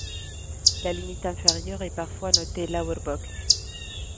La limite inférieure est parfois notée lower box.